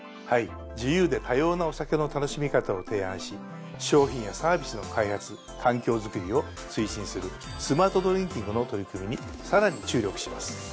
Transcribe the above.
はい自由で多様なお酒の楽しみ方を提案し商品やサービスの開発環境づくりを推進するスマートドリンキングの取り組みにさらに注力します。